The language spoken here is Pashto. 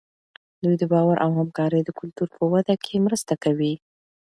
دوی د باور او همکارۍ د کلتور په وده کې مرسته کوي.